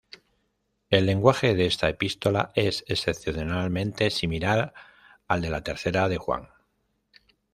El lenguaje de esta epístola es excepcionalmente similar al de la tercera de Juan.